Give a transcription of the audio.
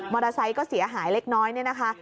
มอเตอร์ไซต์ก็เสียหายเล็กน้อยนี่นะคะ